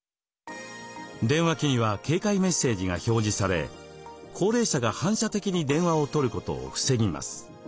電話機には警戒メッセージが表示され高齢者が反射的に電話を取ることを防ぎます。